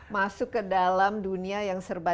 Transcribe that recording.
masuk ke dalam dunia yang serba